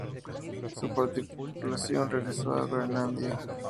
Su tripulación regresó a Groenlandia.